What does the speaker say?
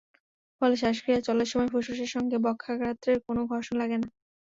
ফলে শ্বাসক্রিয়া চলার সময় ফুসফুসের সঙ্গে বক্ষাগাত্রের কোনো ঘর্ষণ লাগে না।